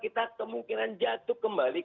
kita kemungkinan jatuh kembali